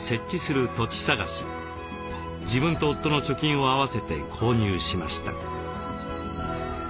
自分と夫の貯金を合わせて購入しました。